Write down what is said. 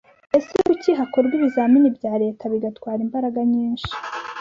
Ese kuki hakorwa ibizami bya Leta bigatwara imbaraga nyinshi?